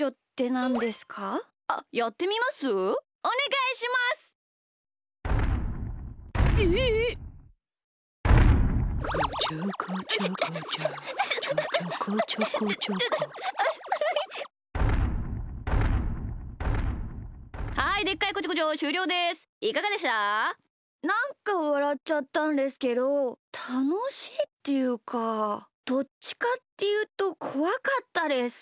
なんかわらっちゃったんですけどたのしいっていうかどっちかっていうとこわかったです。